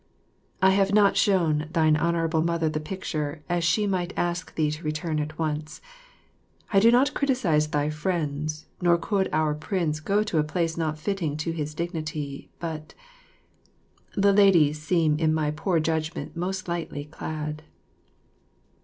I have not shown thine Honourable Mother the picture, as she might ask thee to return at once. I do not criticise thy friends, nor could our Prince go to a place not fitting to his dignity, but the ladies seem in my poor judgment most lightly clad.